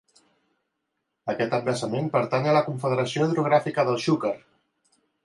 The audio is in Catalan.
Aquest embassament pertany a la Confederació Hidrogràfica del Xúquer.